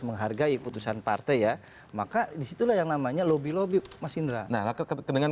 menghargai putusan partai ya maka disitulah yang namanya lobby lobby mas indra nah dengan